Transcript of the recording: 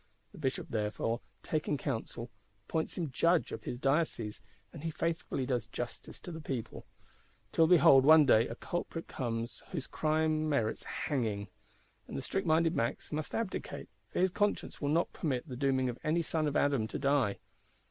The Bishop, therefore, taking counsel, appoints him Judge of his diocese; and he faithfully does justice to the people: till behold, one day, a culprit comes whose crime merits hanging; and the strict minded Max must abdicate, for his conscience will not permit the dooming of any son of Adam to die.